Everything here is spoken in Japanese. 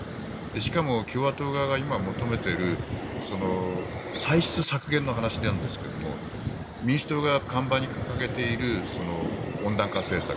しかも、共和党側が今求めている歳出削減の話なんですけども民主党が看板に掲げている温暖化政策